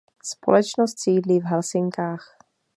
Společnost sídlí v Helsinkách.